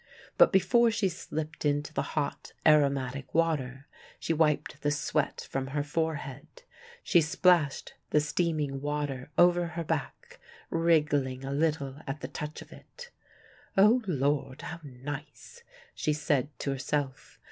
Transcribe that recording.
But before she slipped into the hot aromatic water, she wiped the sweat from her forehead. She splashed the steaming water over her back, wriggling a little at the touch of it. "O Lord, how nice!" she said to herself.